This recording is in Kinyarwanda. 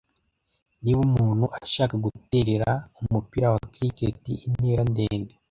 Niba umuntu ashaka guterera umupira wa cricket intera ndende,